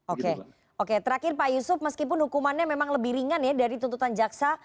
oke oke terakhir pak yusuf meskipun hukumannya memang lebih ringan ya dari tuntutan jaksa